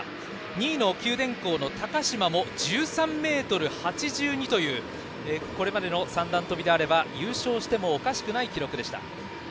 ２位の九電工の高島も１３ｍ８２というこれまでの三段跳びなら優勝してもおかしくない記録でした。